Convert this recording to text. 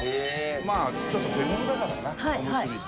まあちょっと手頃だからなおむすびって。